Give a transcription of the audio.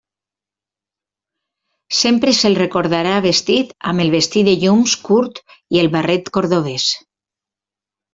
Sempre se'l recordarà vestit amb el vestit de llums curt i el barret cordovès.